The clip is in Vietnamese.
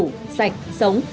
đủ sạch sống